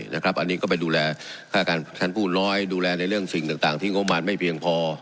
อันนี้ก็ไปดูแลค่าการชั้นผู้น้อยดูแลในเรื่องสิ่งต่างที่งบมารไม่เพียงพอ